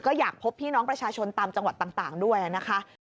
ก็อยากพบพี่น้องประชาชนตามจังหวัดต่างด้วยนะคะ